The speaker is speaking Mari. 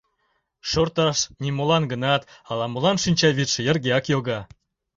Шорташ нимолан гынат, ала-молан шинчавӱдшӧ йыргеак йога.